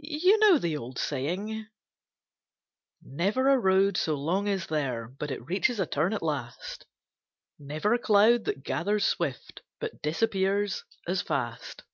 You know the old saying: 'Never a road so long is there But it reaches a turn at last; Never a cloud that gathers swift But disappears as fast.